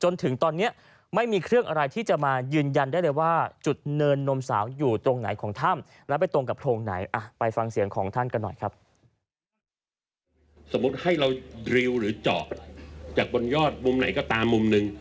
เราดริวหรือเจาะจากบนยอดมุมไหนก็ตามมุมนึง